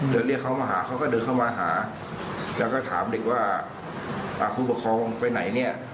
เรียกเขามาหาเขาก็เดินเข้ามาหาแล้วก็ถามเด็กว่าผู้ปกครองไปไหนเนี่ย